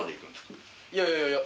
いやいやいや。